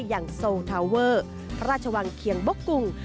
อย่างโซลทาเวอร์พระราชวังเคียงบกุง